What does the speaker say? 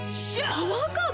パワーカーブ⁉